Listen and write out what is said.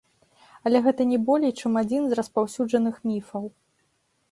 Але гэта не болей, чым адзін з распаўсюджаных міфаў.